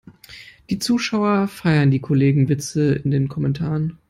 Die Zuschauer feiern die Kollegenwitze in den Kommentaren.